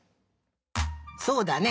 そうだね。